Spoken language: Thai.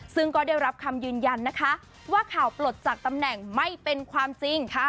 ซึ่งก็ได้รับคำยืนยันนะคะว่าข่าวปลดจากตำแหน่งไม่เป็นความจริงค่ะ